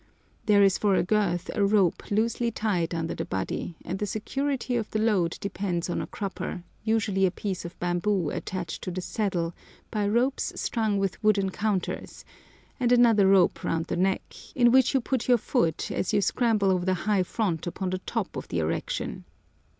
There is for a girth a rope loosely tied under the body, and the security of the load depends on a crupper, usually a piece of bamboo attached to the saddle by ropes strung with wooden counters, and another rope round the neck, into which you put your foot as you scramble over the high front upon the top of the erection.